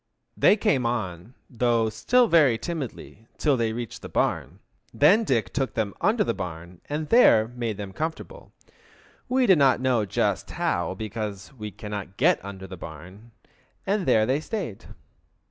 They came on, though still very timidly, till they reached the barn. Then Dick took them under the barn and there he made them comfortable, we do not know just how, because we cannot get under the barn, and there they stayed.